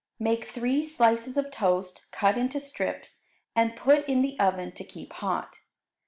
Make three slices of toast, cut into strips, and put in the oven to keep hot.